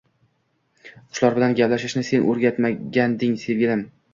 Qushlar bilan gaplashishni sen o’rgatganding sevgilim.